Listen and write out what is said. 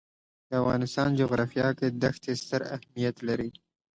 د افغانستان جغرافیه کې دښتې ستر اهمیت لري.